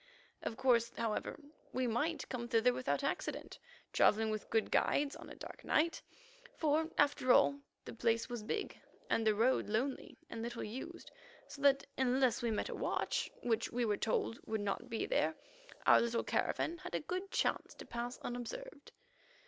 Of course, however, we might come thither without accident, travelling with good guides on a dark night, for, after all, the place was big, and the road lonely and little used, so that unless we met a watch, which, we were told, would not be there, our little caravan had a good chance to pass unobserved.